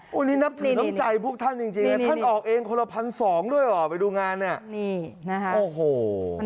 วันนี้นับถึกน้ำใจพวกท่านจริงไงท่านออกเองคนละพันส่องด้วยป่ะไปดูงานไง